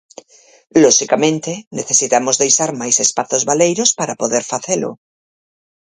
Loxicamente, necesitamos deixar máis espazos baleiros para poder facelo.